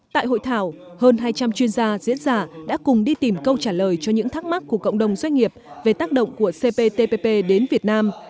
tại hội thảo hơn hai trăm linh chuyên gia diễn giả đã cùng đi tìm câu trả lời cho những thắc mắc của cộng đồng doanh nghiệp về tác động của cptpp đến việt nam